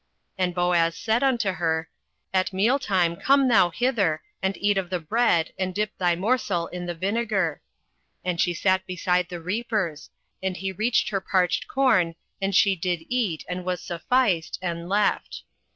08:002:014 And Boaz said unto her, At mealtime come thou hither, and eat of the bread, and dip thy morsel in the vinegar. And she sat beside the reapers: and he reached her parched corn, and she did eat, and was sufficed, and left.